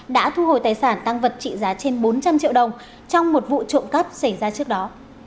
đã thu hồi tài sản tăng vật trị giá trên bốn trăm linh triệu đồng trong một vụ trộm cắp xảy ra trước đó